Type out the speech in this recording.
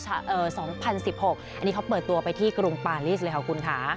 อันนี้เขาเปิดตัวไปที่กรุงปาลิสเลยค่ะคุณค่ะ